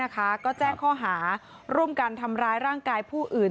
ก็แจ้งข้อหาร่วมกันทำร้ายร่างกายผู้อื่น